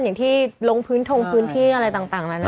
อย่างที่ลงพื้นทงพื้นที่อะไรต่างนั้น